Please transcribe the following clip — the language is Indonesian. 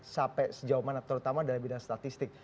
sampai sejauh mana terutama dalam bidang statistik